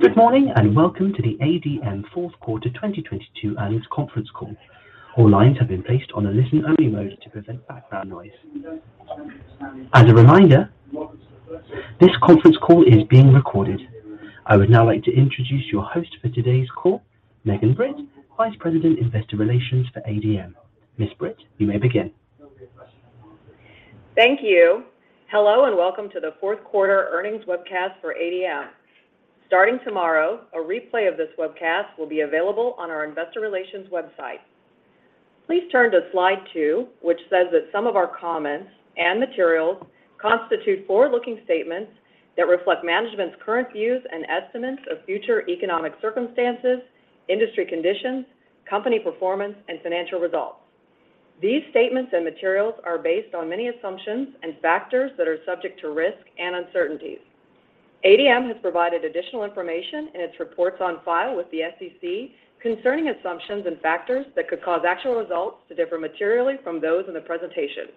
Good morning, welcome to the ADM fourth quarter 2022 earnings conference call. All lines have been placed on a listen-only mode to prevent background noise. As a reminder, this conference call is being recorded. I would now like to introduce your host for today's call, Megan Britt, Vice President, Investor Relations for ADM. Ms. Britt, you may begin. Thank you. Hello, and welcome to the fourth quarter earnings webcast for ADM. Starting tomorrow, a replay of this webcast will be available on our investor relations website. Please turn to slide two, which says that some of our comments and materials constitute forward-looking statements that reflect management's current views and estimates of future economic circumstances, industry conditions, company performance, and financial results. These statements and materials are based on many assumptions and factors that are subject to risk and uncertainties. ADM has provided additional information in its reports on file with the SEC concerning assumptions and factors that could cause actual results to differ materially from those in the presentation.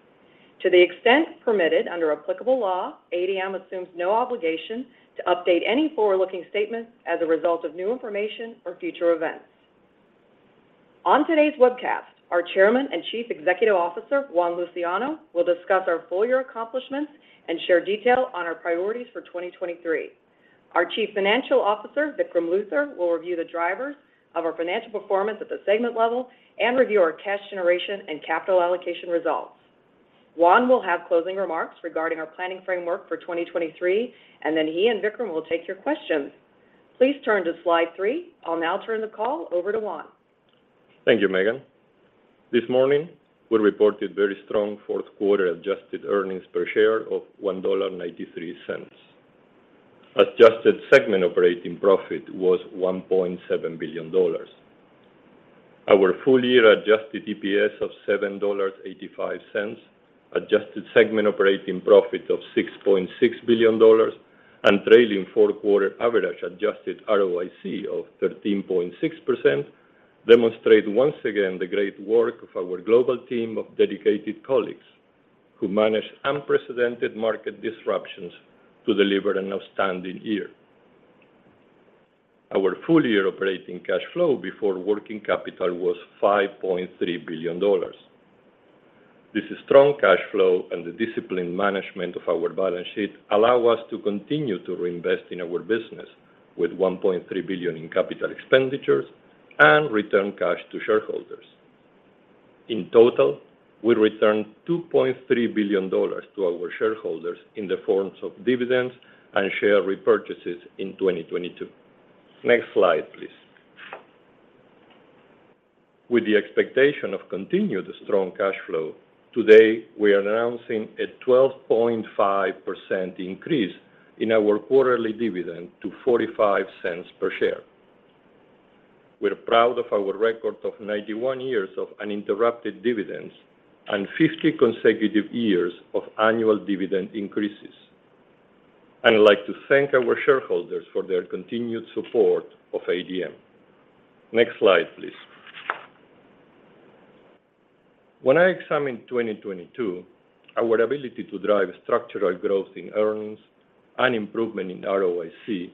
To the extent permitted under applicable law, ADM assumes no obligation to update any forward-looking statements as a result of new information or future events. On today's webcast, our Chairman and Chief Executive Officer, Juan Luciano, will discuss our full year accomplishments and share detail on our priorities for 2023. Our Chief Financial Officer, Vikram Luthar, will review the drivers of our financial performance at the segment level and review our cash generation and capital allocation results. Then he and Vikram will take your questions. Please turn to slide 3. I'll now turn the call over to Juan. Thank you, Megan. This morning, we reported very strong fourth quarter adjusted earnings per share of $1.93. Adjusted segment operating profit was $1.7 billion. Our full year adjusted EPS of $7.85, adjusted segment operating profit of $6.6 billion, and trailing fourth quarter average adjusted ROIC of 13.6% demonstrate once again the great work of our global team of dedicated colleagues, who managed unprecedented market disruptions to deliver an outstanding year. Our full year operating cash flow before working capital was $5.3 billion. This strong cash flow and the disciplined management of our balance sheet allow us to continue to reinvest in our business with $1.3 billion in capital expenditures and return cash to shareholders. In total, we returned $2.3 billion to our shareholders in the forms of dividends and share repurchases in 2022. Next slide, please. With the expectation of continued strong cash flow, today we are announcing a 12.5% increase in our quarterly dividend to $0.45 per share. We're proud of our record of 91 years of uninterrupted dividends and 50 consecutive years of annual dividend increases. I'd like to thank our shareholders for their continued support of ADM. Next slide, please. When I examine 2022, our ability to drive structural growth in earnings and improvement in ROIC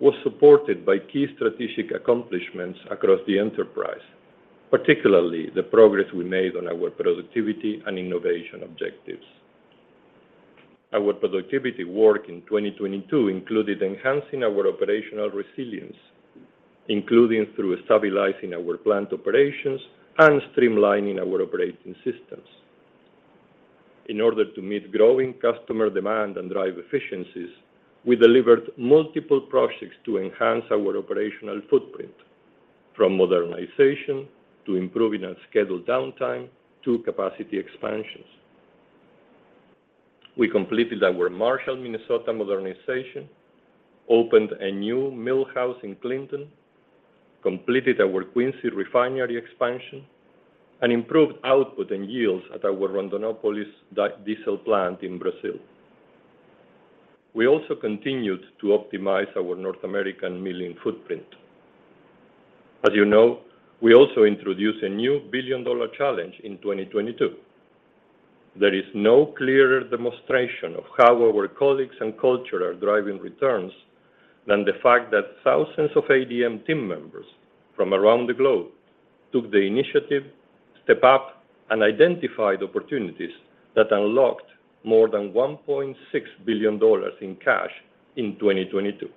was supported by key strategic accomplishments across the enterprise, particularly the progress we made on our productivity and innovation objectives. Our productivity work in 2022 included enhancing our operational resilience, including through stabilizing our plant operations and streamlining our operating systems. In order to meet growing customer demand and drive efficiencies, we delivered multiple projects to enhance our operational footprint, from modernization to improving our scheduled downtime to capacity expansions. We completed our Marshall, Minnesota modernization, opened a new mill house in Clinton, completed our Quincy refinery expansion, and improved output and yields at our Rondonópolis biodiesel plant in Brazil. We also continued to optimize our North American milling footprint. As you know, we also introduced a new billion-dollar challenge in 2022. There is no clearer demonstration of how our colleagues and culture are driving returns than the fact that thousands of ADM team members from around the globe took the initiative, stepped up, and identified opportunities that unlocked more than $1.6 billion in cash in 2022.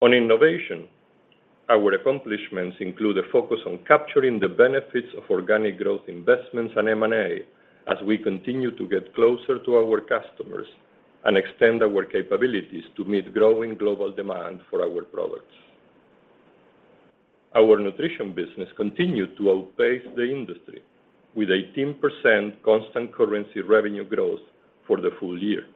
On innovation, our accomplishments include a focus on capturing the benefits of organic growth investments and M&A as we continue to get closer to our customers and extend our capabilities to meet growing global demand for our products. Our nutrition business continued to outpace the industry with 18% constant currency revenue growth for the full year.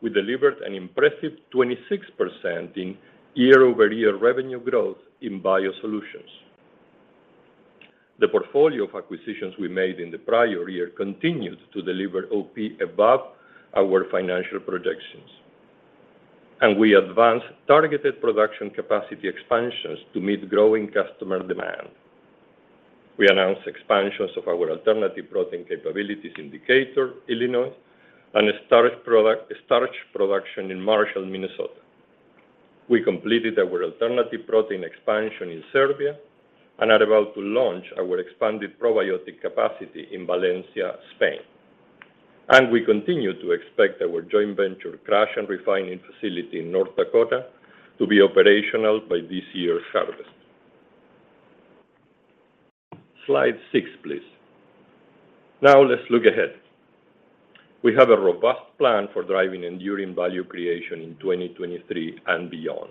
We delivered an impressive 26% in year-over-year revenue growth in bio-solutions. The portfolio of acquisitions we made in the prior year continued to deliver OP above our financial projections. We advanced targeted production capacity expansions to meet growing customer demand. We announced expansions of our alternative protein capabilities in Decatur, Illinois, and a starch production in Marshall, Minnesota. We completed our alternative protein expansion in Serbia and are about to launch our expanded probiotic capacity in Valencia, Spain. We continue to expect our joint venture crush and refining facility in North Dakota to be operational by this year's harvest. Slide 6, please. Now let's look ahead. We have a robust plan for driving enduring value creation in 2023 and beyond.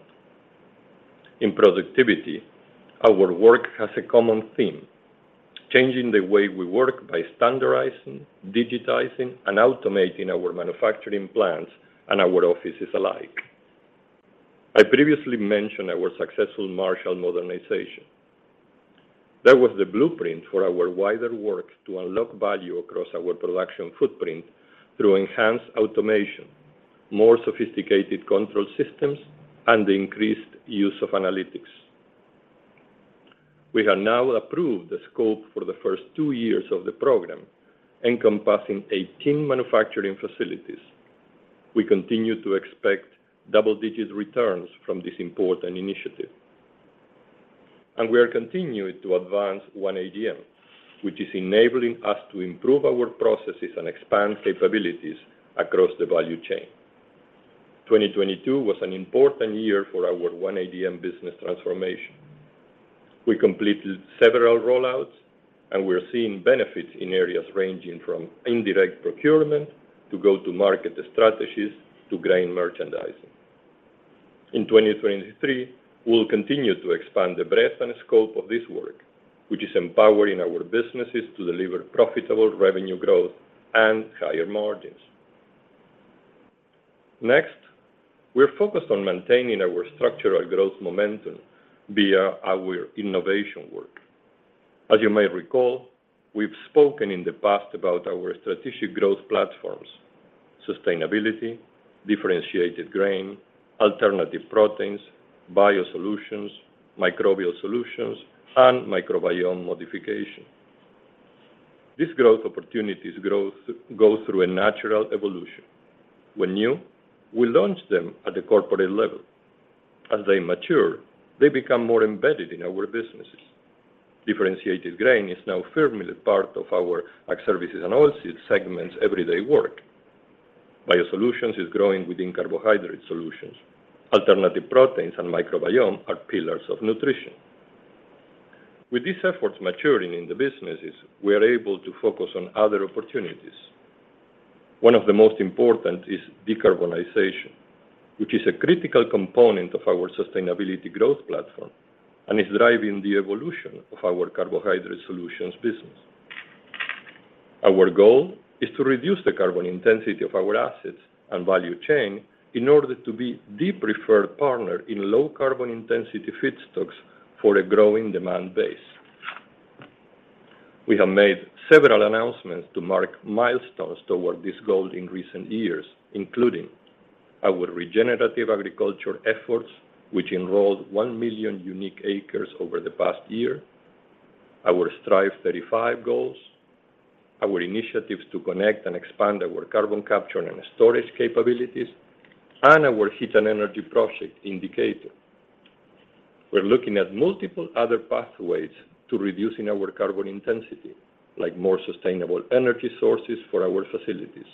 In productivity, our work has a common theme: changing the way we work by standardizing, digitizing, and automating our manufacturing plants and our offices alike. I previously mentioned our successful Marshall modernization. That was the blueprint for our wider work to unlock value across our production footprint through enhanced automation, more sophisticated control systems, and increased use of analytics. We have now approved the scope for the first two years of the program, encompassing 18 manufacturing facilities. We continue to expect double-digit returns from this important initiative. We are continuing to advance One ADM, which is enabling us to improve our processes and expand capabilities across the value chain. 2022 was an important year for our One ADM business transformation. We completed several rollouts, and we're seeing benefits in areas ranging from indirect procurement to go-to-market strategies to grain merchandising. In 2023, we'll continue to expand the breadth and scope of this work, which is empowering our businesses to deliver profitable revenue growth and higher margins. We're focused on maintaining our structural growth momentum via our innovation work. As you may recall, we've spoken in the past about our strategic growth platforms: sustainability, differentiated grain, alternative proteins, bio-solutions, microbial solutions, and microbiome modification. These growth opportunities go through a natural evolution. When new, we launch them at the corporate level. As they mature, they become more embedded in our businesses. Differentiated grain is now firmly part of our Ag Services and Oilseeds segment's everyday work. Bio-solutions is growing within Carbohydrate Solutions. Alternative proteins and microbiome are pillars of nutrition. With these efforts maturing in the businesses, we are able to focus on other opportunities. One of the most important is decarbonization, which is a critical component of our sustainability growth platform and is driving the evolution of our Carbohydrate Solutions business. Our goal is to reduce the carbon intensity of our assets and value chain in order to be the preferred partner in low carbon intensity feedstocks for a growing demand base. We have made several announcements to mark milestones toward this goal in recent years, including our Regenerative Agriculture efforts, which enrolled 1 million unique acres over the past year, our Strive 35 goals, our initiatives to connect and expand our carbon capture and storage capabilities, and our heat and energy project indicator. We're looking at multiple other pathways to reducing our carbon intensity, like more sustainable energy sources for our facilities.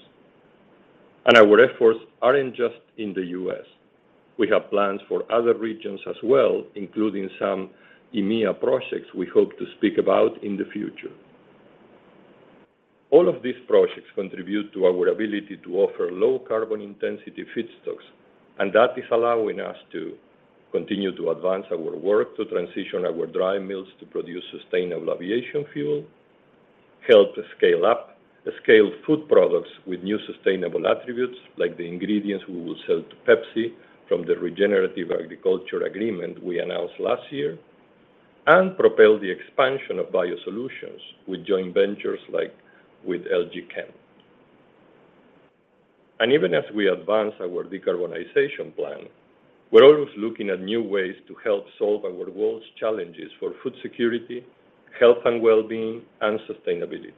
Our efforts aren't just in The U.S. We have plans for other regions as well, including some EMEA projects we hope to speak about in the future. All of these projects contribute to our ability to offer low carbon intensity feedstocks, and that is allowing us to continue to advance our work to transition our dry mills to produce sustainable aviation fuel, help scale up scaled food products with new sustainable attributes, like the ingredients we will sell to PepsiCo from the regenerative agriculture agreement we announced last year, and propel the expansion of bio-solutions with joint ventures like with LG Chem. Even as we advance our decarbonization plan, we're always looking at new ways to help solve our world's challenges for food security, health and well-being, and sustainability.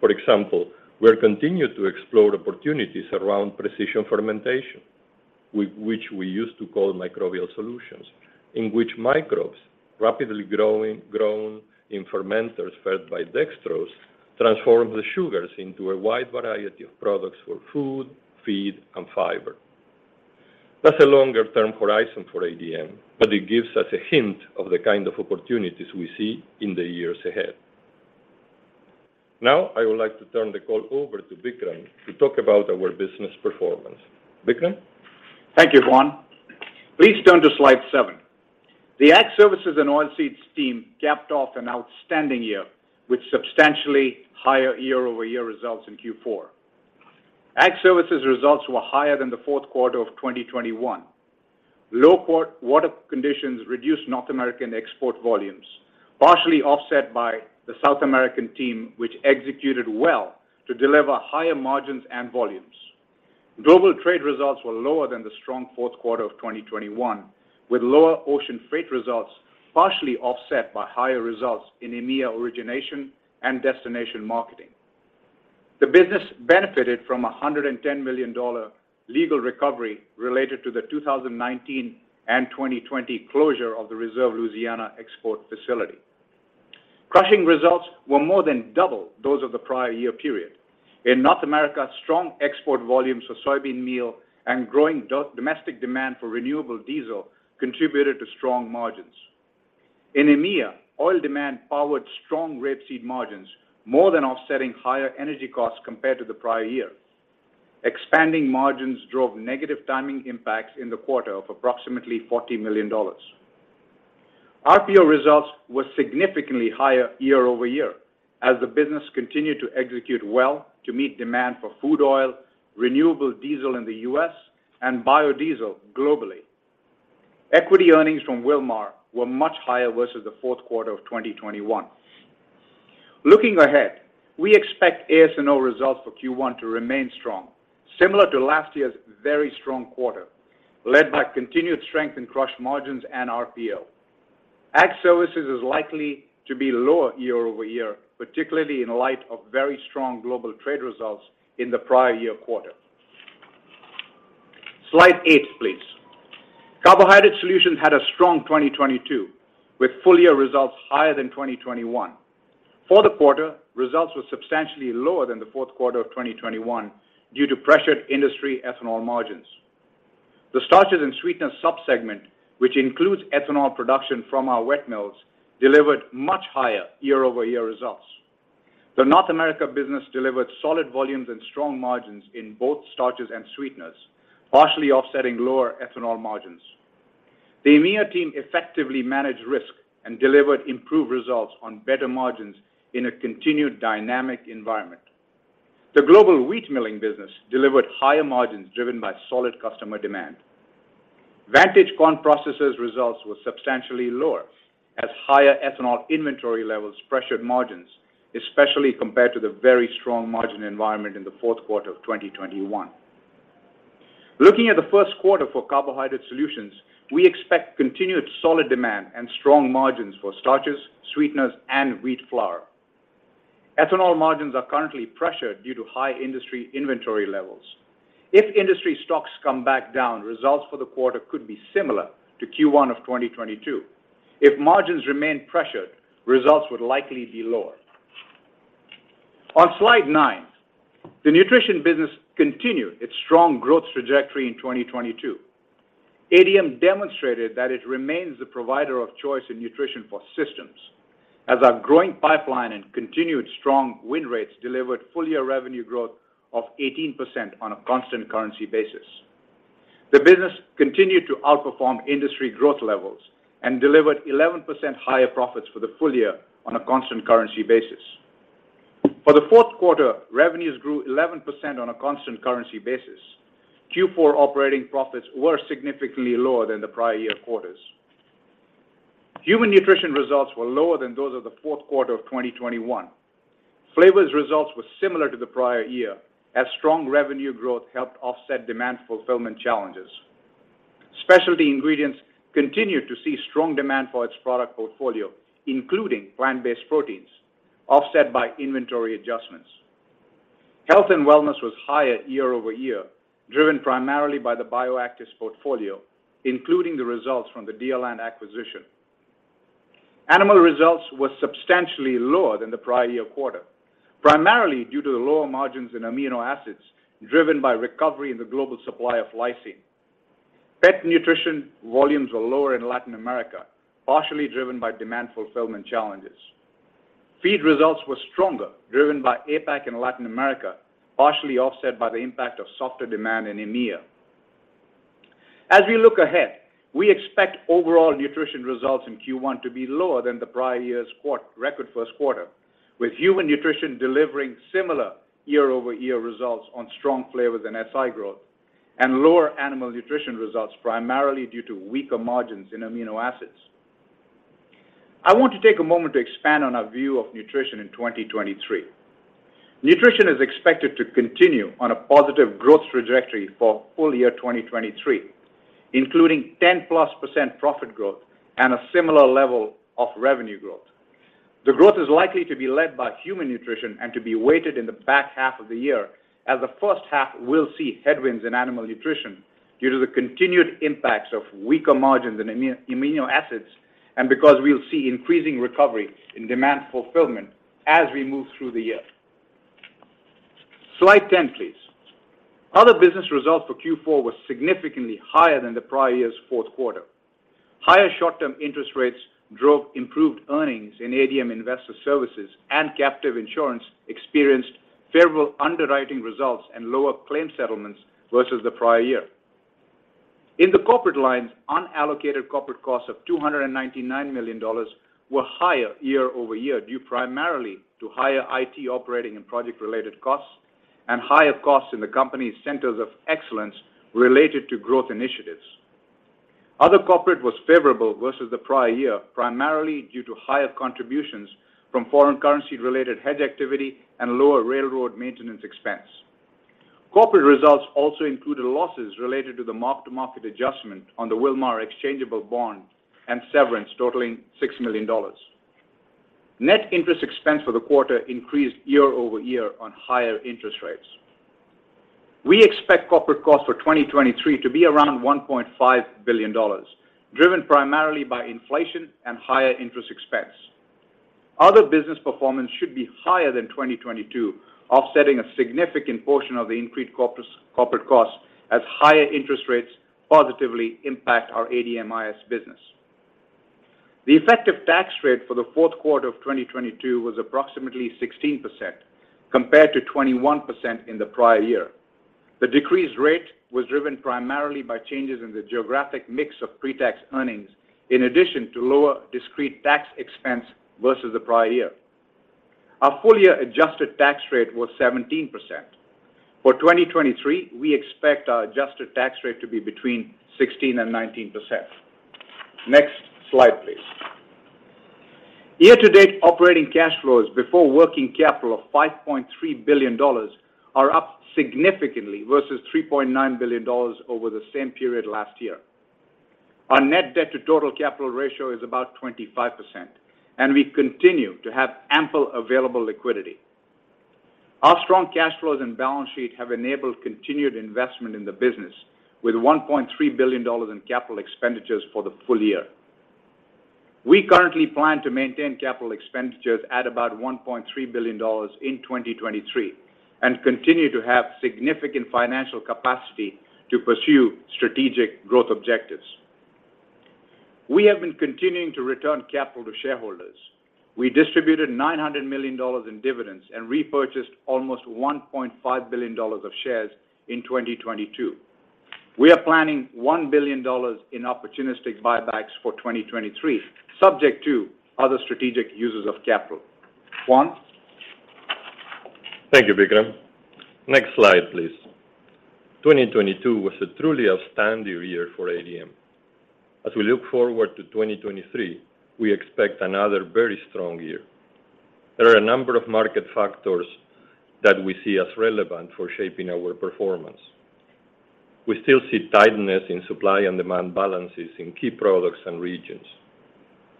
For example, we're continuing to explore opportunities around precision fermentation, which we used to call microbial solutions, in which microbes, grown in fermenters fed by dextrose, transform the sugars into a wide variety of products for food, feed, and fiber. That's a longer-term horizon for ADM, but it gives us a hint of the kind of opportunities we see in the years ahead. I would like to turn the call over to Vikram to talk about our business performance. Vikram? Thank you, Juan. Please turn to slide 7. The Ag Services and Oilseeds team capped off an outstanding year with substantially higher year-over-year results in Q4. Ag Services results were higher than the fourth quarter of 2021. Low water conditions reduced North American export volumes, partially offset by the South American team, which executed well to deliver higher margins and volumes. Global trade results were lower than the strong fourth quarter of 2021, with lower ocean freight results partially offset by higher results in EMEA origination and destination marketing. The business benefited from a $110 million legal recovery related to the 2019 and 2020 closure of the Reserve Louisiana export facility. Crushing results were more than double those of the prior year period. In North America, strong export volumes for soybean meal and growing domestic demand for renewable diesel contributed to strong margins. In EMEA, oil demand powered strong rapeseed margins more than offsetting higher energy costs compared to the prior year. Expanding margins drove negative timing impacts in the quarter of approximately $40 million. RPO results were significantly higher year-over-year as the business continued to execute well to meet demand for food oil, renewable diesel in The U.S., and biodiesel globally. Equity earnings from Wilmar were much higher versus the fourth quarter of 2021. Looking ahead, we expect AS&O results for Q1 to remain strong, similar to last year's very strong quarter, led by continued strength in crush margins and RPO. Ag Services is likely to be lower year-over-year, particularly in light of very strong global trade results in the prior year quarter. Slide 8, please. Carbohydrate Solutions had a strong 2022, with full-year results higher than 2021. For the quarter, results were substantially lower than the fourth quarter of 2021 due to pressured industry ethanol margins. The starches and sweeteners sub-segment, which includes ethanol production from our wet mills, delivered much higher year-over-year results. The North America business delivered solid volumes and strong margins in both starches and sweeteners, partially offsetting lower ethanol margins. The EMEA team effectively managed risk and delivered improved results on better margins in a continued dynamic environment. The global wheat milling business delivered higher margins driven by solid customer demand. Vantage Corn Processors results were substantially lower as higher ethanol inventory levels pressured margins, especially compared to the very strong margin environment in the fourth quarter of 2021. Looking at the first quarter for Carbohydrate Solutions, we expect continued solid demand and strong margins for starches, sweeteners, and wheat flour. Ethanol margins are currently pressured due to high industry inventory levels. If industry stocks come back down, results for the quarter could be similar to Q1 of 2022. If margins remain pressured, results would likely be lower. On slide nine, the Nutrition business continued its strong growth trajectory in 2022. ADM demonstrated that it remains the provider of choice in nutrition for systems as our growing pipeline and continued strong win rates delivered full-year revenue growth of 18% on a constant currency basis. The business continued to outperform industry growth levels and delivered 11% higher profits for the full year on a constant currency basis. For the fourth quarter, revenues grew 11% on a constant currency basis. Q4 operating profits were significantly lower than the prior-year quarters. Human nutrition results were lower than those of the fourth quarter of 2021. Flavors results were similar to the prior year as strong revenue growth helped offset demand fulfillment challenges. Specialty Ingredients continued to see strong demand for its product portfolio, including plant-based proteins, offset by inventory adjustments. Health and Wellness was higher year-over-year, driven primarily by the Bio-actives portfolio, including the results from the Deerland acquisition. Animal results were substantially lower than the prior year quarter, primarily due to the lower margins in amino acids driven by recovery in the global supply of lysine. Pet Nutrition volumes were lower in Latin America, partially driven by demand fulfillment challenges. Feed results were stronger, driven by APAC and Latin America, partially offset by the impact of softer demand in EMEA. As we look ahead, we expect overall nutrition results in Q1 to be lower than the prior year's record first quarter, with human nutrition delivering similar year-over-year results on strong flavors and SI growth, and lower animal nutrition results primarily due to weaker margins in amino acids. I want to take a moment to expand on our view of nutrition in 2023. Nutrition is expected to continue on a positive growth trajectory for full year 2023, including 10%+ profit growth and a similar level of revenue growth. The growth is likely to be led by human nutrition and to be weighted in the back half of the year as the first half will see headwinds in animal nutrition due to the continued impacts of weaker margins in amino acids and because we'll see increasing recovery in demand fulfillment as we move through the year. Slide ten, please. Other business results for Q4 were significantly higher than the prior year's fourth quarter. Higher short-term interest rates drove improved earnings in ADM Investor Services. Captive insurance experienced favorable underwriting results and lower claim settlements versus the prior year. In the corporate lines, unallocated corporate costs of $299 million were higher year-over-year, due primarily to higher IT operating and project-related costs and higher costs in the company's centers of excellence related to growth initiatives. Other corporate was favorable versus the prior year, primarily due to higher contributions from foreign currency-related hedge activity and lower railroad maintenance expense. Corporate results also included losses related to the mark-to-market adjustment on the Wilmar exchangeable bond and severance totaling $6 million. Net interest expense for the quarter increased year-over-year on higher interest rates. We expect corporate costs for 2023 to be around $1.5 billion, driven primarily by inflation and higher interest expense. Other business performance should be higher than 2022, offsetting a significant portion of the increased corporate costs as higher interest rates positively impact our ADMIS business. The effective tax rate for the fourth quarter of 2022 was approximately 16% compared to 21% in the prior year. The decreased rate was driven primarily by changes in the geographic mix of pre-tax earnings in addition to lower discrete tax expense versus the prior year. Our full-year adjusted tax rate was 17%. For 2023, we expect our adjusted tax rate to be between 16% and 19%. Next slide, please. Year-to-date operating cash flows before working capital of $5.3 billion are up significantly versus $3.9 billion over the same period last year. Our net debt to total capital ratio is about 25%, and we continue to have ample available liquidity. Our strong cash flows and balance sheet have enabled continued investment in the business with $1.3 billion in capital expenditures for the full year. We currently plan to maintain capital expenditures at about $1.3 billion in 2023 and continue to have significant financial capacity to pursue strategic growth objectives. We have been continuing to return capital to shareholders. We distributed $900 million in dividends and repurchased almost $1.5 billion of shares in 2022. We are planning $1 billion in opportunistic buybacks for 2023, subject to other strategic uses of capital. Juan? Thank you, Vikram. Next slide, please. 2022 was a truly outstanding year for ADM. As we look forward to 2023, we expect another very strong year. There are a number of market factors that we see as relevant for shaping our performance. We still see tightness in supply and demand balances in key products and regions.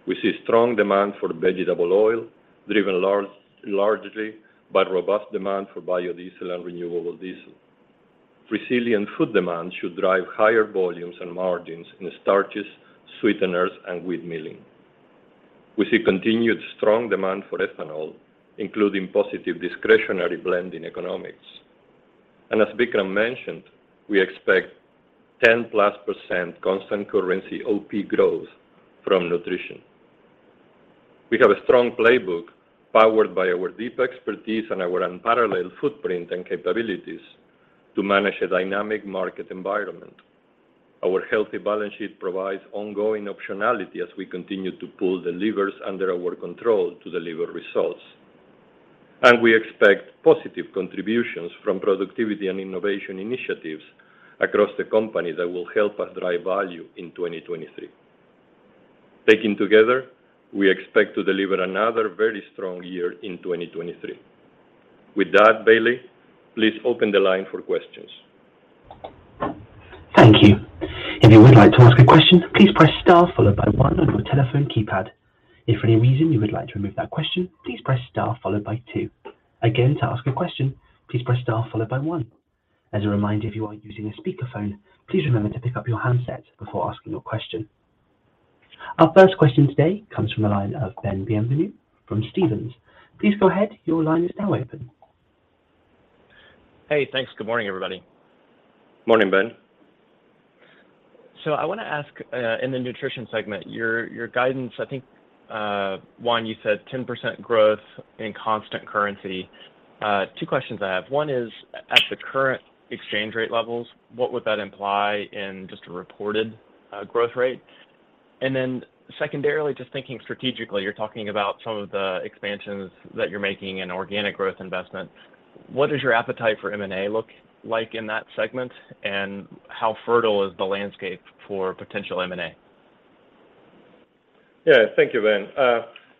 We see strong demand for vegetable oil, driven largely by robust demand for biodiesel and renewable diesel. Resilient food demand should drive higher volumes and margins in starches, sweeteners, and wheat milling. We see continued strong demand for ethanol, including positive discretionary blend in economics. As Vikram mentioned, we expect 10+% constant currency OP growth from nutrition. We have a strong playbook powered by our deep expertise and our unparalleled footprint and capabilities to manage a dynamic market environment. Our healthy balance sheet provides ongoing optionality as we continue to pull the levers under our control to deliver results. We expect positive contributions from productivity and innovation initiatives across the company that will help us drive value in 2023. Taken together, we expect to deliver another very strong year in 2023. With that, Bailey, please open the line for questions. Thank you. If you would like to ask a question, please press star followed by one on your telephone keypad. If for any reason you would like to remove that question, please press star followed by two. Again, to ask a question, please press star followed by one. As a reminder, if you are using a speakerphone, please remember to pick up your handset before asking your question. Our first question today comes from the line of Ben Bienvenu from Stephens. Please go ahead. Your line is now open. Hey, thanks. Good morning, everybody. Morning, Ben. I wanna ask, in the nutrition segment, your guidance, I think, Juan, you said 10% growth in constant currency. Two questions I have. One is, at the current exchange rate levels, what would that imply in just a reported growth rate? Secondarily, just thinking strategically, you're talking about some of the expansions that you're making in organic growth investment. What does your appetite for M&A look like in that segment? How fertile is the landscape for potential M&A? Yeah. Thank you, Ben.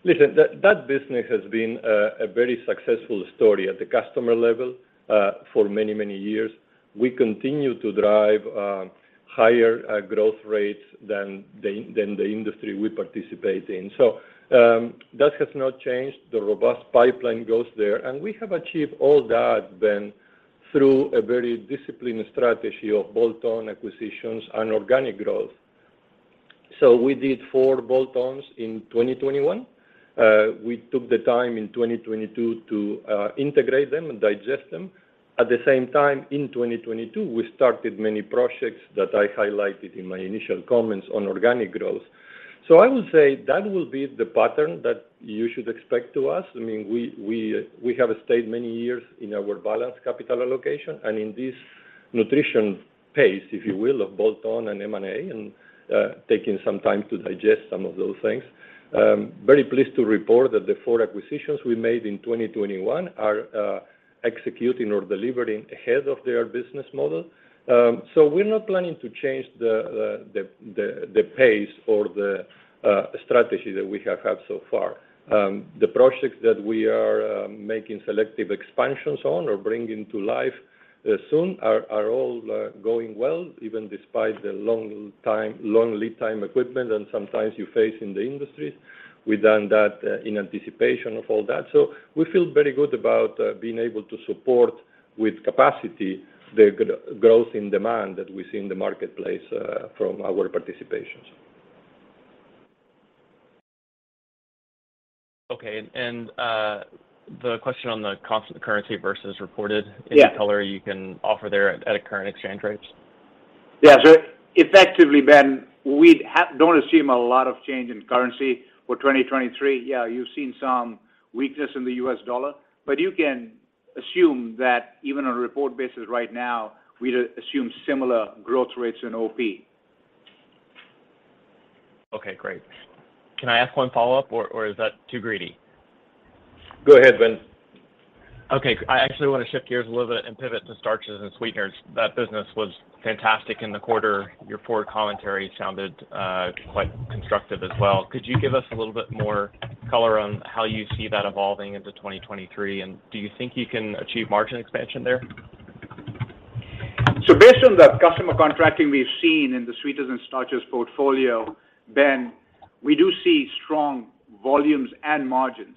Listen, that business has been a very successful story at the customer level for many, many years. We continue to drive higher growth rates than the industry we participate in. That has not changed. The robust pipeline goes there. We have achieved all that, Ben, through a very disciplined strategy of bolt-on acquisitions and organic growth. We did four bolt-ons in 2021. We took the time in 2022 to integrate them and digest them. At the same time, in 2022, we started many projects that I highlighted in my initial comments on organic growth. I would say that will be the pattern that you should expect to us. I mean, we have stayed many years in our balanced capital allocation, and in this nutrition pace, if you will, of bolt-on and M&A, taking some time to digest some of those things. Very pleased to report that the four acquisitions we made in 2021 are executing or delivering ahead of their business model. We're not planning to change the pace or the strategy that we have had so far. The projects that we are making selective expansions on or bringing to life soon are all going well, even despite the long lead time equipment and sometimes you face in the industry. We've done that in anticipation of all that. We feel very good about being able to support with capacity the growth in demand that we see in the marketplace from our participations. Okay. The question on the constant currency versus reported. Yeah. Any color you can offer there at current exchange rates? Effectively, Ben, we don't assume a lot of change in currency for 2023. You've seen some weakness in the US dollar, but you can assume that even on a report basis right now, we'd assume similar growth rates in OP. Great. Can I ask one follow-up or is that too greedy? Go ahead, Ben. Okay. I actually wanna shift gears a little bit and pivot to starches and sweeteners. That business was fantastic in the quarter. Your forward commentary sounded quite constructive as well. Could you give us a little bit more color on how you see that evolving into 2023? Do you think you can achieve margin expansion there? Based on the customer contracting we've seen in the sweeteners and starches portfolio, Ben, we do see strong volumes and margins.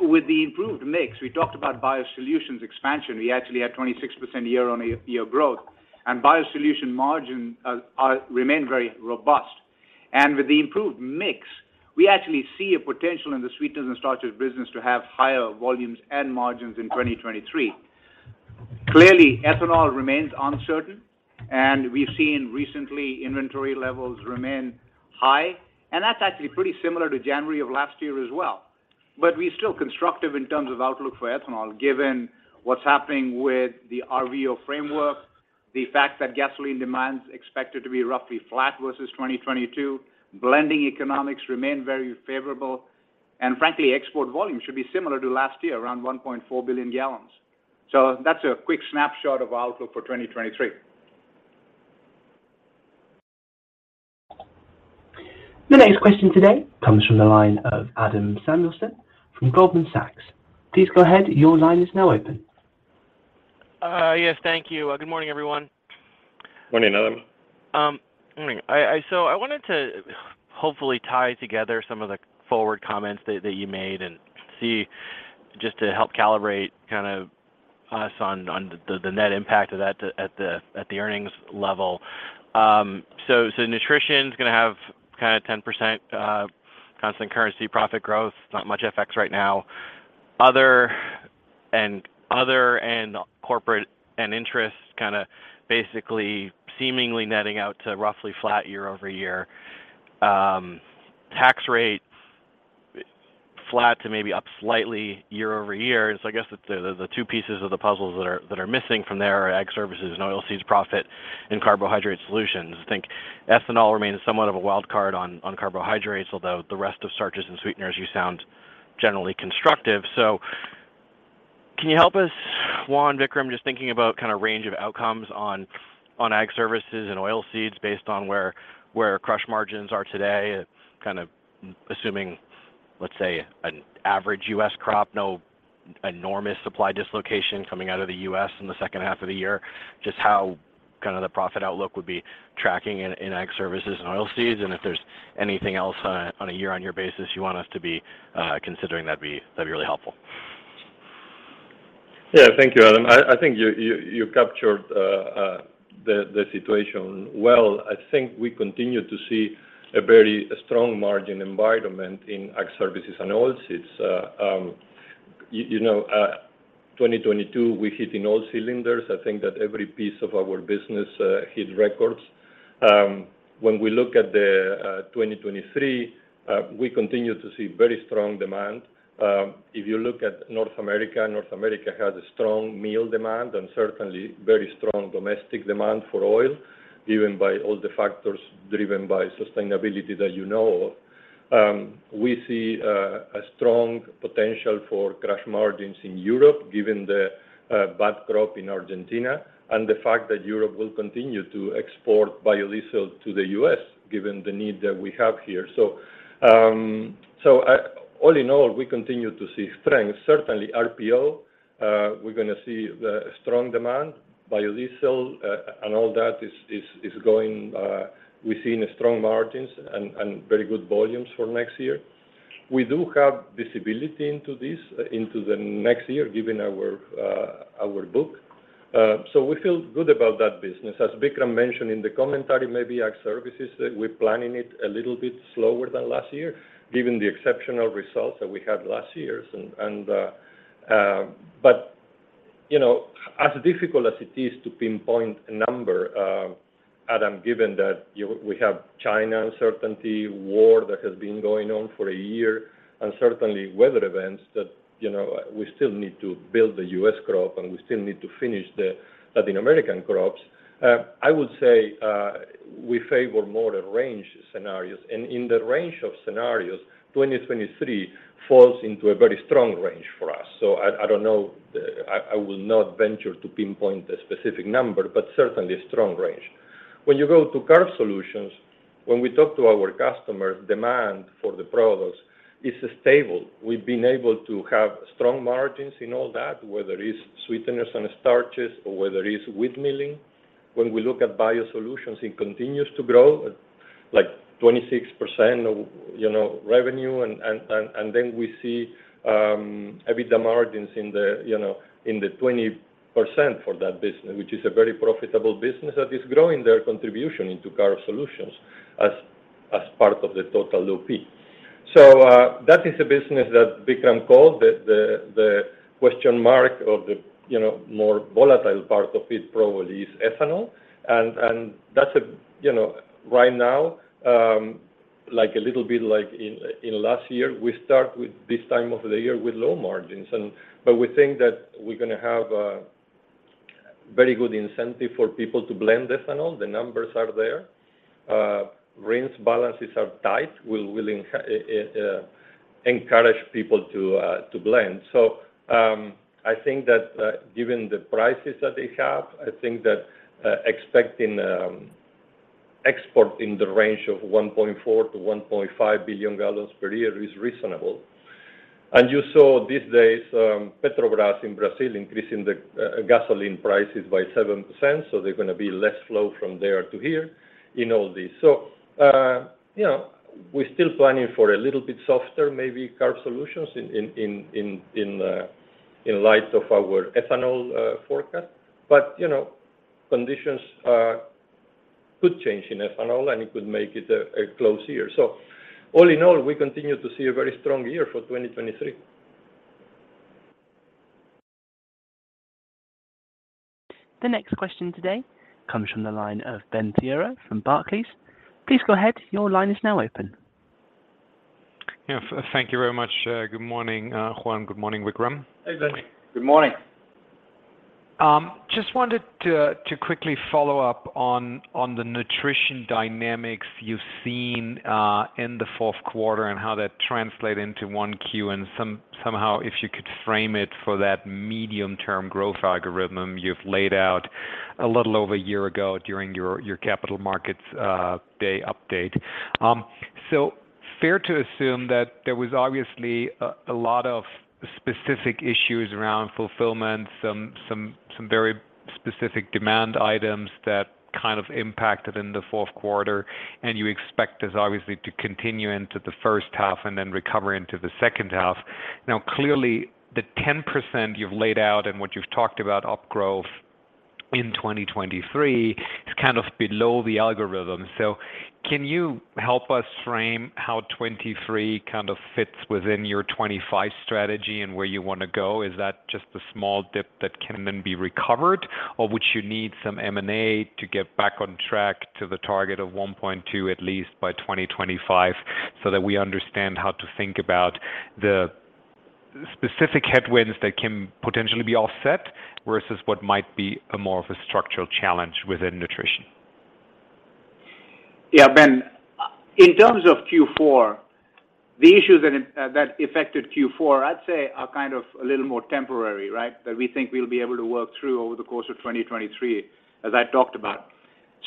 With the improved mix, we talked about bio-solutions expansion. We actually had 26% year-on-year growth. Bio-solution margin remain very robust. With the improved mix, we actually see a potential in the sweeteners and starches business to have higher volumes and margins in 2023. Ethanol remains uncertain, and we've seen recently inventory levels remain high, and that's actually pretty similar to January of last year as well. We're still constructive in terms of outlook for ethanol, given what's happening with the RVO framework, the fact that gasoline demand is expected to be roughly flat versus 2022, blending economics remain very favorable, and frankly, export volume should be similar to last year, around 1.4 billion gallons. That's a quick snapshot of our outlook for 2023. The next question today comes from the line of Adam Samuelson from Goldman Sachs. Please go ahead, your line is now open. Yes, thank you. Good morning, everyone. Morning, Adam. Morning. I wanted to hopefully tie together some of the forward comments that you made and see just to help calibrate kind of us on the net impact of that at the earnings level. Nutrition's going to have kinda 10% constant currency profit growth, not much effects right now. Other and corporate and interest kinda basically seemingly netting out to roughly flat year-over-year. Tax rates flat to maybe up slightly year-over-year. I guess the two pieces of the puzzles that are missing from there are Ag Services and Oilseeds profit and Carbohydrate Solutions. I think ethanol remains somewhat of a wild card on carbohydrates, although the rest of starches and sweeteners you sound generally constructive. Can you help us, Juan, Vikram, just thinking about kind of range of outcomes on Ag Services and Oilseeds based on where crush margins are today, kind of assuming, let's say, an average US crop, no enormous supply dislocation coming out of The U.S. in the second half of the year. Just how kind of the profit outlook would be tracking in Ag Services and Oilseeds, and if there's anything else on a year-on-year basis you want us to be considering that'd be really helpful. Yeah. Thank you, Adam. I think you captured the situation well. I think we continue to see a very strong margin environment in Ag Services and Oilseeds. You know, 2022, we hit in all cylinders. I think that every piece of our business hit records. When we look at the 2023, we continue to see very strong demand. If you look at North America, North America has a strong meal demand and certainly very strong domestic demand for oil, even by all the factors driven by sustainability that you know of. We see a strong potential for crush margins in Europe, given the bad crop in Argentina and the fact that Europe will continue to export biodiesel to The U.S., given the need that we have here. All in all, we continue to see strength. Certainly RPO, we're gonna see the strong demand. Biodiesel, and all that is going, we're seeing strong margins and very good volumes for next year. We do have visibility into the next year, given our book. We feel good about that business. As Vikram mentioned in the commentary, maybe Ag Services, we're planning it a little bit slower than last year, given the exceptional results that we had last year. You know, as difficult as it is to pinpoint a number, Adam, given that we have China uncertainty, war that has been going on for a year, and certainly weather events that, you know, we still need to build the US crop, and we still need to finish the Latin American crops. I would say, we favor more range scenarios. In the range of scenarios, 2023 falls into a very strong range for us. I don't know the... I will not venture to pinpoint a specific number, but certainly a strong range. When you go to Carbohydrate Solutions, when we talk to our customers, demand for the products is stable. We've been able to have strong margins in all that, whether it's sweeteners and starches or whether it's wheat milling. When we look at bio-solutions, it continues to grow at like 26% of, you know, revenue and then we see EBITDA margins in the, you know, in the 20% for that business, which is a very profitable business that is growing their contribution into carb solutions as part of the total OP. That is a business that Vikram called the question mark or the, you know, more volatile part of it probably is ethanol. That's, you know, right now, like a little bit like in last year, we start with this time of the year with low margins. We think that we're gonna have a very good incentive for people to blend ethanol. The numbers are there. RINs balances are tight. We'll encourage people to blend. I think that given the prices that they have, I think that expecting export in the range of 1.4 billion gallons-1.5 billion gallons per year is reasonable. You saw these days Petrobras in Brazil increasing the gasoline prices by 7%, they're gonna be less flow from there to here in all this. You know, we're still planning for a little bit softer, maybe Carb Solutions in light of our ethanol forecast. You know, conditions could change in ethanol, and it could make it a close year. All in all, we continue to see a very strong year for 2023. The next question today comes from the line of Benjamin Theurer from Barclays. Please go ahead. Your line is now open. Yeah. Thank you very much. Good morning, Juan. Good morning, Vikram. Hey, Ben. Good morning. Just wanted to quickly follow up on the nutrition dynamics you've seen in the fourth quarter and how that translate into 1Q and somehow if you could frame it for that medium-term growth algorithm you've laid out a little over a year ago during your capital markets day update. Fair to assume that there was obviously a lot of specific issues around fulfillment, some very specific demand items that kind of impacted in the fourth quarter, and you expect this obviously to continue into the first half and then recover into the second half. Now, clearly, the 10% you've laid out and what you've talked about up growth in 2023 is kind of below the algorithm. Can you help us frame how 23 kind of fits within your 25 strategy and where you wanna go? Is that just a small dip that can then be recovered, or would you need some M&A to get back on track to the target of 1.2 at least by 2025, that we understand how to think about the specific headwinds that can potentially be offset versus what might be a more of a structural challenge within nutrition? Ben. In terms of Q4, the issues that affected Q4, I'd say are kind of a little more temporary, right? That we think we'll be able to work through over the course of 2023, as I talked about.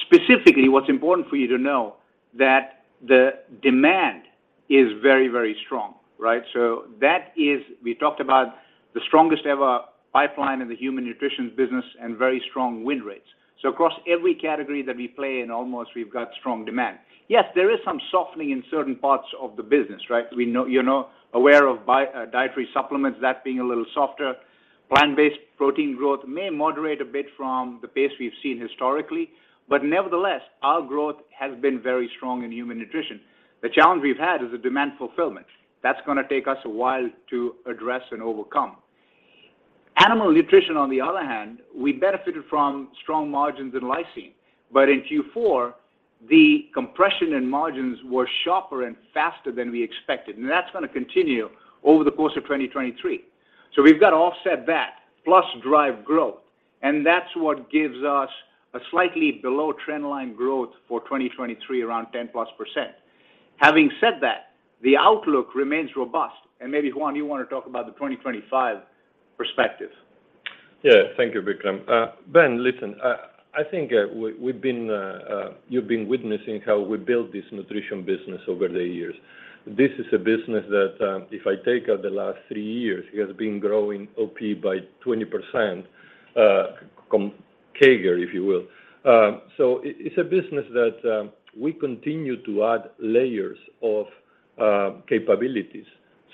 Specifically, what's important for you to know that the demand is very, very strong, right? That is, we talked about the strongest ever pipeline in the Human Nutrition business and very strong win rates. Across every category that we play in, almost we've got strong demand. Yes, there is some softening in certain parts of the business, right? We know. You're now aware of dietary supplements, that being a little softer. Plant-based protein growth may moderate a bit from the pace we've seen historically, nevertheless, our growth has been very strong in Human Nutrition. The challenge we've had is the demand fulfillment. That's gonna take us a while to address and overcome. Animal nutrition, on the other hand, we benefited from strong margins in lysine, but in Q4, the compression in margins were sharper and faster than we expected, and that's gonna continue over the course of 2023. We've got to offset that plus drive growth, and that's what gives us a slightly below trend line growth for 2023, around 10+%. Having said that, the outlook remains robust. Maybe, Juan, you wanna talk about the 2025 perspective. Yeah. Thank you, Vikram. Ben, listen, I think you've been witnessing how we built this nutrition business over the years. This is a business that, if I take out the last three years, it has been growing OP by 20% CAGR, if you will. It, it's a business that we continue to add layers of capabilities.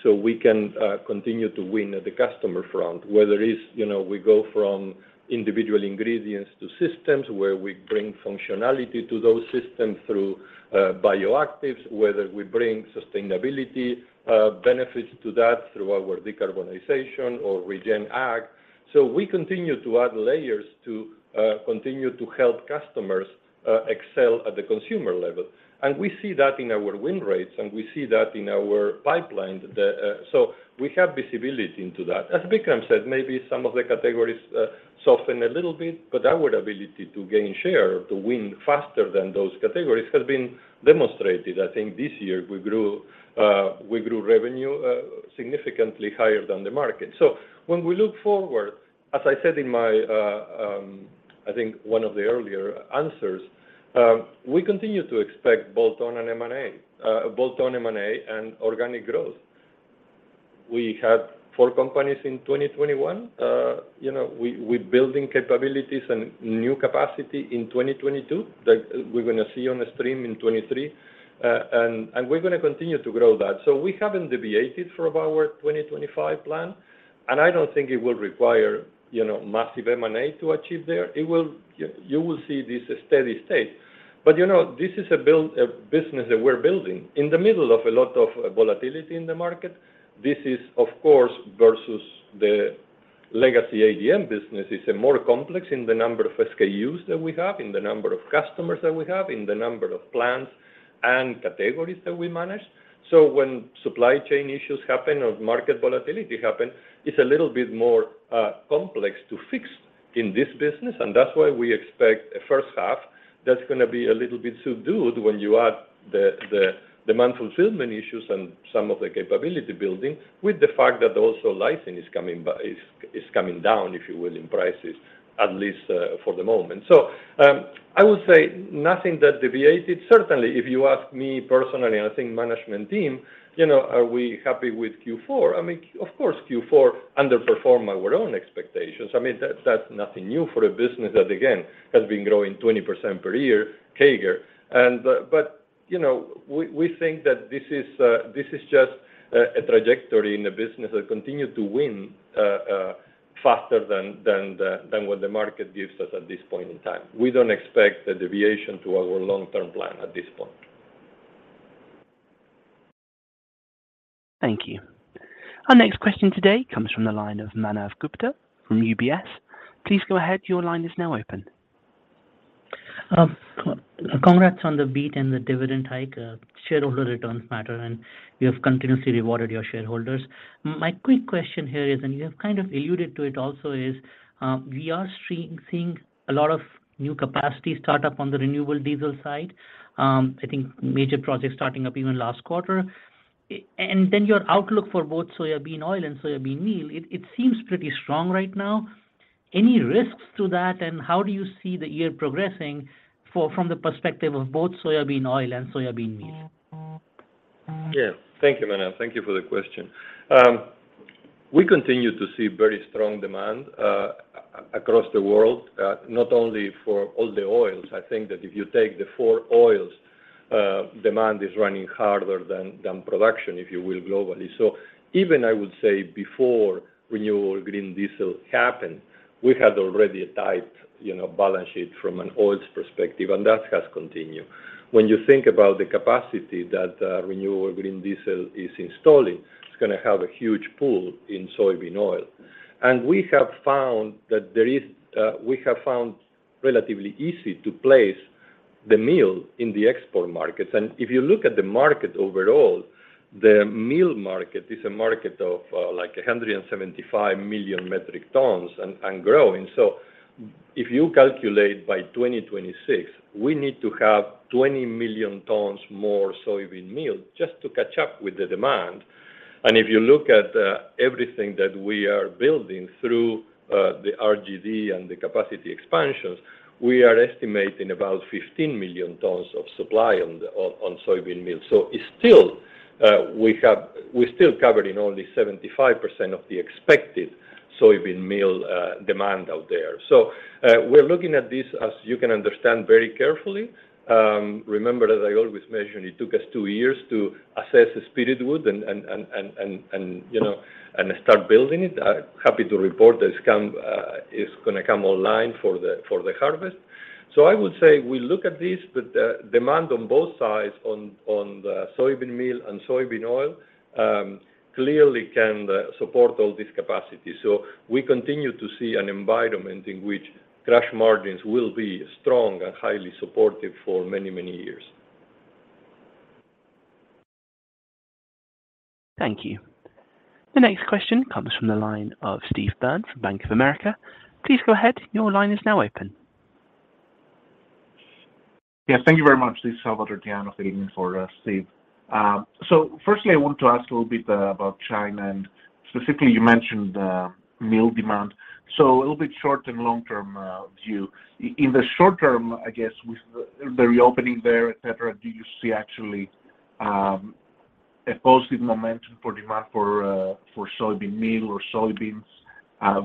So we can continue to win at the customer front, whether it's, you know, we go from individual ingredients to systems where we bring functionality to those systems through Bio-actives, whether we bring sustainability benefits to that through our decarbonization or Regen Ag. We continue to add layers to continue to help customers excel at the consumer level. We see that in our win rates, and we see that in our pipeline. We have visibility into that. As Vikram said, maybe some of the categories soften a little bit, but our ability to gain share, to win faster than those categories has been demonstrated. I think this year we grew revenue significantly higher than the market. When we look forward, as I said in my, I think one of the earlier answers, we continue to expect bolt-on and M&A, bolt-on M&A and organic growth. We had four companies in 2021. You know, we building capabilities and new capacity in 2022 that we're gonna see on the stream in 23. And we're gonna continue to grow that. We haven't deviated from our 2025 plan, and I don't think it will require, you know, massive M&A to achieve there. You will see this steady state. you know, this is a build, a business that we're building. In the middle of a lot of volatility in the market, this is of course versus the legacy ADM business is a more complex in the number of SKUs that we have, in the number of customers that we have, in the number of plants and categories that we manage. When supply chain issues happen or market volatility happen, it's a little bit more complex to fix in this business, and that's why we expect a first half that's gonna be a little bit subdued when you add the demand fulfillment issues and some of the capability building with the fact that also lysine is coming down, if you will, in prices, at least for the moment. I would say nothing that deviated. Certainly, if you ask me personally, and I think management team, you know, are we happy with Q4? I mean, of course, Q4 underperformed our own expectations. I mean, that's nothing new for a business that again has been growing 20% per year CAGR. But, you know, we think that this is just a trajectory in the business that continue to win faster than what the market gives us at this point in time. We don't expect a deviation to our long-term plan at this point. Thank you. Our next question today comes from the line of Manav Gupta from UBS. Please go ahead. Your line is now open. Congrats on the beat and the dividend hike. Shareholder returns matter, and you have continuously rewarded your shareholders. My quick question here is, and you have kind of alluded to it also, is, we are seeing a lot of new capacity start up on the renewable diesel side. I think major projects starting up even last quarter. Your outlook for both soybean oil and soybean meal, it seems pretty strong right now. Any risks to that, and how do you see the year progressing from the perspective of both soybean oil and soybean meal? Yeah. Thank you, Manav. Thank you for the question. We continue to see very strong demand across the world, not only for all the oils. I think that if you take the four oils, demand is running harder than production, if you will, globally. Even I would say before renewable green diesel happened, we had already a tight, you know, balance sheet from an oils perspective, and that has continued. When you think about the capacity that renewable green diesel is installing, it's gonna have a huge pool in soybean oil. We have found that there is, we have found relatively easy to place the meal in the export markets. If you look at the market overall, the meal market is a market of like 175 million metric tons and growing. If you calculate by 2026, we need to have 20 million tons more soybean meal just to catch up with the demand. If you look at everything that we are building through the RGD and the capacity expansions, we are estimating about 15 million tons of supply on soybean meal. It's still, we're still covering only 75% of the expected soybean meal demand out there. We're looking at this, as you can understand, very carefully. Remember, as I always mention, it took us two years to assess the Spirit Wood and, you know, and start building it. Happy to report that it's gonna come online for the harvest. I would say we look at this, but the demand on both sides on the soybean meal and soybean oil, clearly can support all this capacity. We continue to see an environment in which crush margins will be strong and highly supportive for many, many years. Thank you. The next question comes from the line of Steve Byrne from Bank of America. Please go ahead. Your line is now open. Yes. Thank you very much. This is Salvatore Tiano filling in for Steve. Firstly, I want to ask a little bit about China and specifically you mentioned meal demand. A little bit short and long-term view. In the short term, I guess with the reopening there, et cetera, do you see actually a positive momentum for demand for soybean meal or soybeans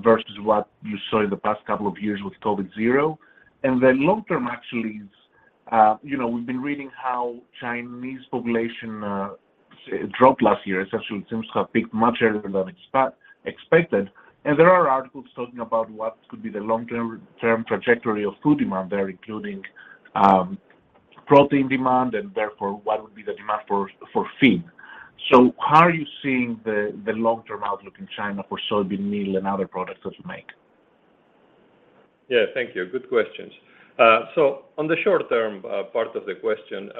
versus what you saw in the past couple of years with COVID Zero? Long-term actually is, you know, we've been reading how Chinese population dropped last year. Essentially, it seems to have peaked much earlier than expected. There are articles talking about what could be the long-term trajectory of food demand there, including protein demand, and therefore what would be the demand for feed. How are you seeing the long-term outlook in China for soybean meal and other products that you make? Yeah, thank you. Good questions. On the short-term part of the question,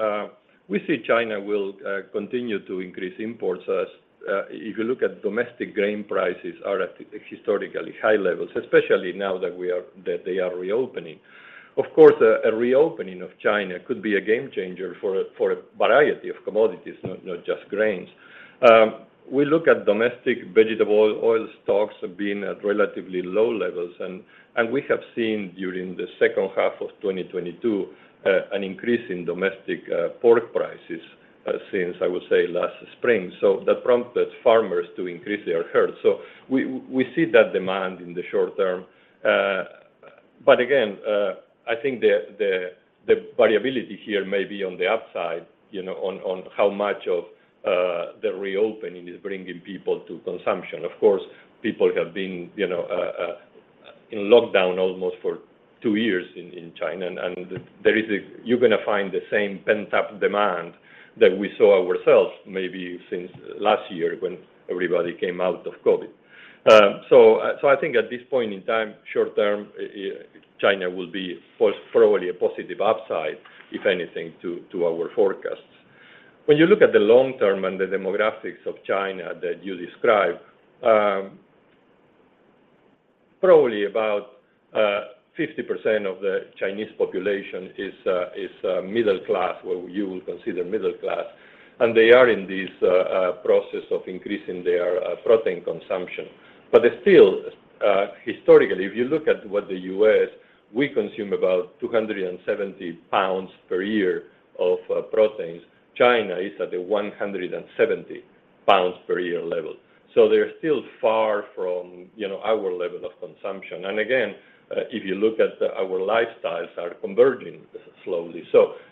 we see China will continue to increase imports as if you look at domestic grain prices are at historically high levels, especially now that they are reopening. Of course, a reopening of China could be a game changer for a variety of commodities, not just grains. We look at domestic vegetable oil stocks being at relatively low levels and we have seen during the second half of 2022, an increase in domestic pork prices since I would say last spring. That prompted farmers to increase their herds. We see that demand in the short term. Again, I think the variability here may be on the upside, you know, on how much of the reopening is bringing people to consumption. Of course, people have been, you know, in lockdown almost for two years in China, and there is. You're gonna find the same pent-up demand that we saw ourselves maybe since last year when everybody came out of COVID. I think at this point in time, short term, China will be probably a positive upside, if anything, to our forecasts. When you look at the long term and the demographics of China that you described, probably about 50% of the Chinese population is middle class, or you will consider middle class, and they are in this process of increasing their protein consumption. They still, historically, if you look at what The U.S., we consume about 270 pounds per year of proteins. China is at the 170 pounds per year level. They're still far from, you know, our level of consumption. Again, if you look at our lifestyles are converging slowly.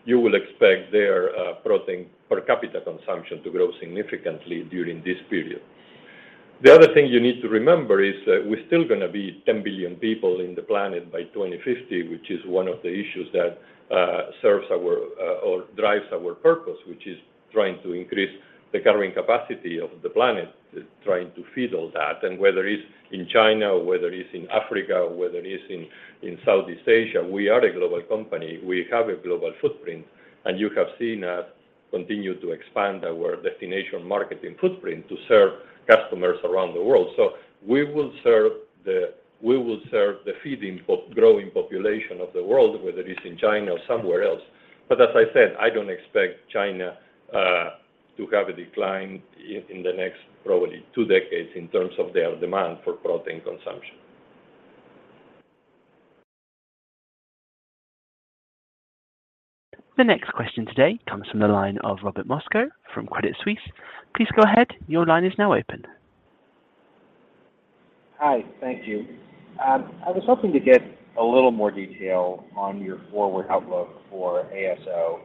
You will expect their protein per capita consumption to grow significantly during this period. The other thing you need to remember is that we're still gonna be 10 billion people in the planet by 2050, which is one of the issues that serves our or drives our purpose, which is trying to increase the carrying capacity of the planet, trying to feed all that. Whether it's in China or whether it's in Africa or whether it's in Southeast Asia, we are a global company. We have a global footprint, and you have seen us continue to expand our destination marketing footprint to serve customers around the world. We will serve the growing population of the world, whether it's in China or somewhere else. As I said, I don't expect China to have a decline in the next probably two decades in terms of their demand for protein consumption. The next question today comes from the line of Robert Moskow from Credit Suisse. Please go ahead. Your line is now open. Hi. Thank you. I was hoping to get a little more detail on your forward outlook for ASO.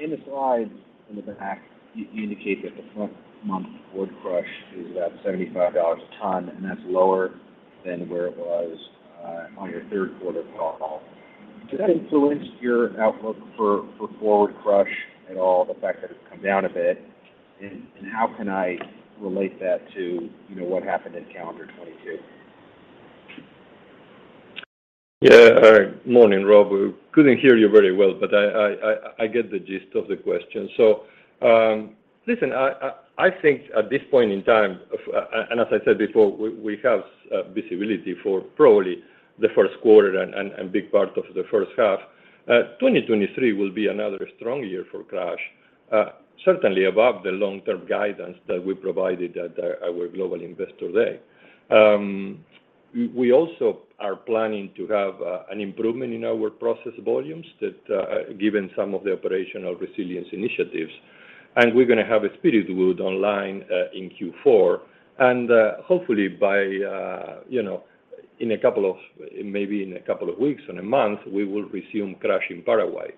In the slides under the deck, you indicate that the front month forward crush is about $75 a ton, that's lower than where it was on your third quarter call. Does that influence your outlook for forward crush at all, the fact that it's come down a bit? How can I relate that to, you know, what happened in calendar 2022? Morning, Rob. Couldn't hear you very well, but I get the gist of the question. Listen, I think at this point in time, as I said before, we have visibility for probably the first quarter and big part of the first half. 2023 will be another strong year for crush, certainly above the long-term guidance that we provided at our global investor day. We also are planning to have an improvement in our process volumes that given some of the operational resilience initiatives. We're gonna have Spirit Wood online in Q4. Hopefully by, you know, maybe in a couple of weeks and a month, we will resume crush in Paraguay.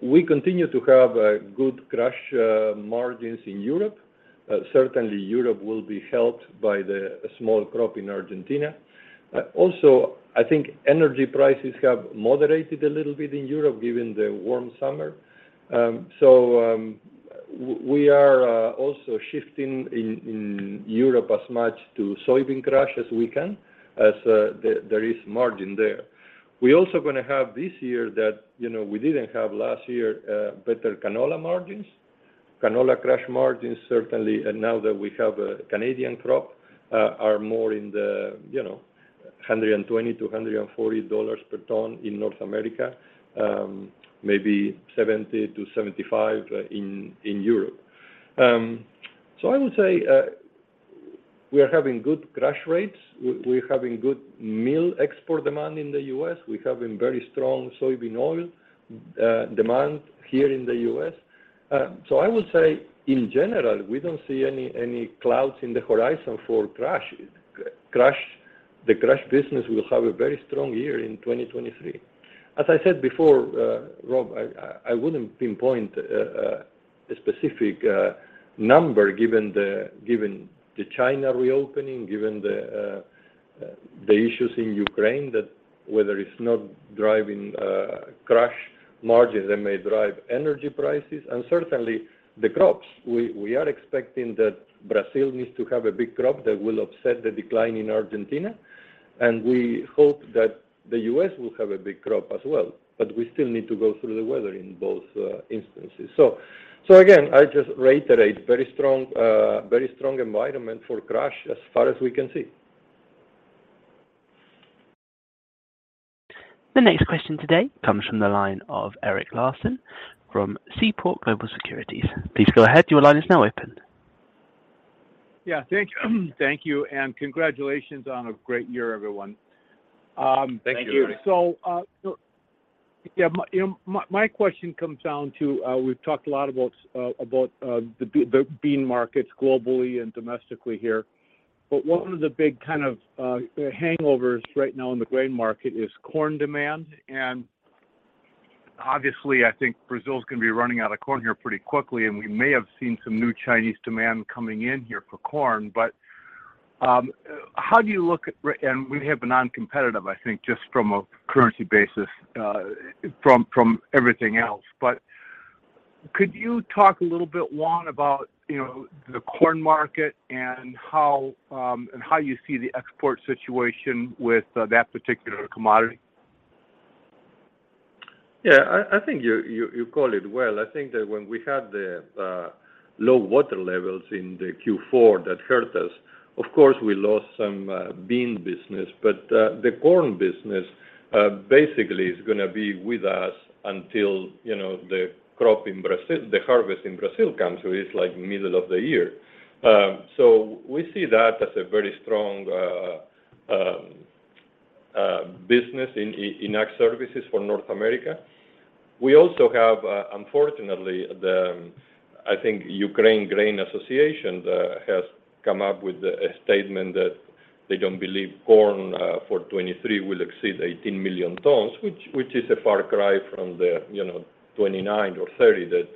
We continue to have good crush margins in Europe. Certainly Europe will be helped by the small crop in Argentina. Also, I think energy prices have moderated a little bit in Europe, given the warm summer. We are also shifting in Europe as much to soybean crush as we can as there is margin there. We're also gonna have this year that, you know, we didn't have last year, better canola margins. Canola crush margins certainly, and now that we have a Canadian crop, are more in the, you know, $120-$140 per ton in North America, maybe $70-$75 in Europe. I would say. We are having good crush rates. We're having good meal export demand in The U.S. We're having very strong soybean oil demand here in The U.S. I would say in general, we don't see any clouds in the horizon for crush. The crush business will have a very strong year in 2023. As I said before, Rob, I wouldn't pinpoint a specific number given the China reopening, given the issues in Ukraine that whether it's not driving crush margins, they may drive energy prices. Certainly the crops, we are expecting that Brazil needs to have a big crop that will offset the decline in Argentina, and we hope that The U.S. will have a big crop as well. We still need to go through the weather in both instances. Again, I just reiterate very strong environment for crush as far as we can see. The next question today comes from the line of Eric Larson from Seaport Global Securities. Please go ahead. Your line is now open. Yeah. Thank you. Thank you, and congratulations on a great year, everyone. Thank you. Yeah, my, you know, my question comes down to, we've talked a lot about the bean markets globally and domestically here. One of the big kind of hangovers right now in the grain market is corn demand. Obviously, I think Brazil's gonna be running out of corn here pretty quickly, and we may have seen some new Chinese demand coming in here for corn. How do you look at? We have been uncompetitive, I think, just from a currency basis, from everything else. Could you talk a little bit, Juan, about, you know, the corn market and how and how you see the export situation with that particular commodity? Yeah. I think you call it well. I think that when we had the low water levels in the Q4 that hurt us, of course, we lost some bean business. The corn business basically is gonna be with us until, you know, the crop in Brazil, the harvest in Brazil comes. It's like middle of the year. We see that as a very strong business in Ag Services for North America. We also have, unfortunately, the Ukrainian Grain Association has come up with a statement that they don't believe corn for 2023 will exceed 18 million tons, which is a far cry from the, you know, 29 or 30 that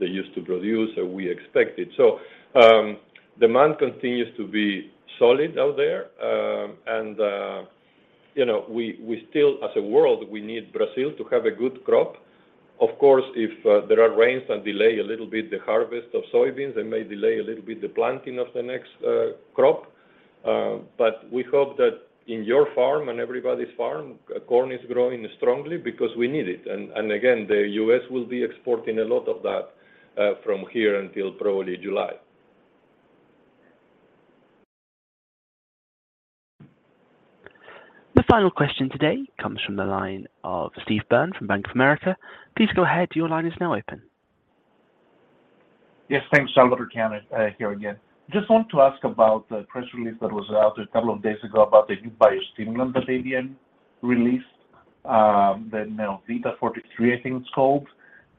they used to produce or we expected. Demand continues to be solid out there. you know, we still as a world, we need Brazil to have a good crop. Of course, if there are rains and delay a little bit the harvest of soybeans, they may delay a little bit the planting of the next crop. We hope that in your farm and everybody's farm, corn is growing strongly because we need it. Again, The U.S. will be exporting a lot of that from here until probably July. The final question today comes from the line of Steve Byrne from Bank of America. Please go ahead. Your line is now open. Yes. Thanks. Salvatore Tiano, here again. Just want to ask about the press release that was out a couple of days ago about the new bio-stimulant that ADM released, the NeoVita 43, I think it's called.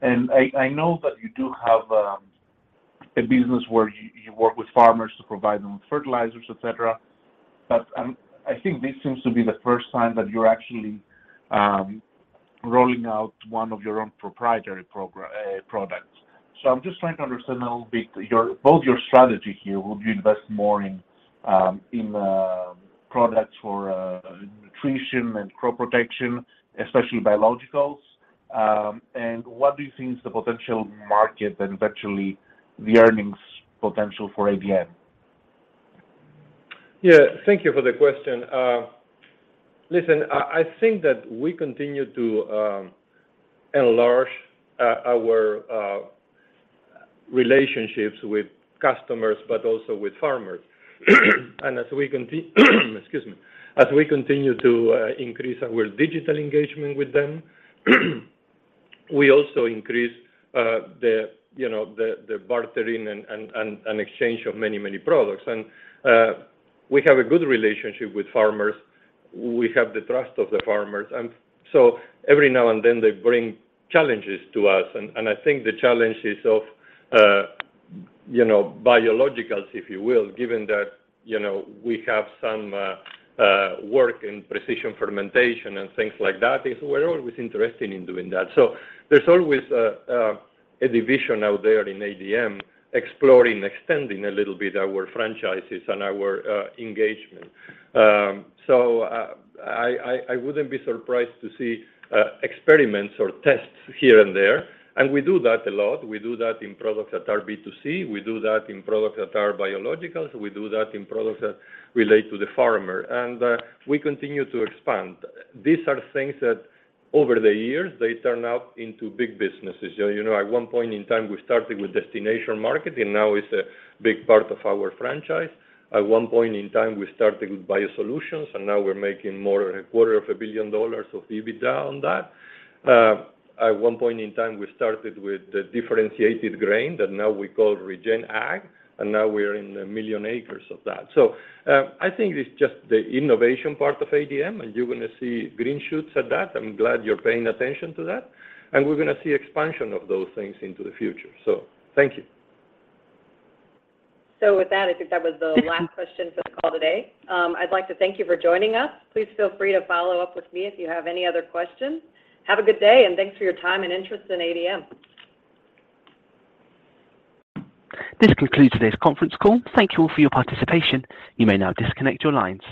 I know that you do have a business where you work with farmers to provide them with fertilizers, et cetera. I think this seems to be the first time that you're actually rolling out one of your own proprietary products. I'm just trying to understand a little bit both your strategy here. Would you invest more in products for nutrition and crop protection, especially biologicals? What do you think is the potential market and eventually the earnings potential for ADM? Yeah. Thank you for the question. Listen, I think that we continue to enlarge our relationships with customers but also with farmers. Excuse me. As we continue to increase our digital engagement with them, we also increase the, you know, the bartering and, and exchange of many, many products. We have a good relationship with farmers. We have the trust of the farmers. Every now and then, they bring challenges to us. I think the challenges of, you know, biologicals, if you will, given that, you know, we have some work in precision fermentation and things like that, is we're always interested in doing that. There's always a division out there in ADM exploring, extending a little bit our franchises and our engagement. I wouldn't be surprised to see experiments or tests here and there, and we do that a lot. We do that in products that are B2C. We do that in products that are biologicals. We do that in products that relate to the farmer, and we continue to expand. These are things that over the years, they turn out into big businesses. You know, at one point in time, we started with destination market, and now it's a big part of our franchise. At one point in time, we started with bio-solutions, and now we're making more than a quarter of a billion dollars of EBITDA on that. At one point in time, we started with the differentiated grain that now we call Regen Ag, and now we're in 1 million acres of that. I think it's just the innovation part of ADM, and you're gonna see green shoots at that. I'm glad you're paying attention to that. We're gonna see expansion of those things into the future. Thank you. With that, I think that was the last question for the call today. I'd like to thank you for joining us. Please feel free to follow up with me if you have any other questions. Have a good day, thanks for your time and interest in ADM. This concludes today's conference call. Thank you all for your participation. You may now disconnect your lines.